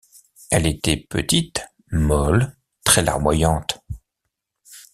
Elle était petite, molle, très-larmoyante.